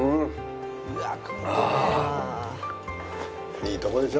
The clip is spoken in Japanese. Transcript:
いいとこでしょ？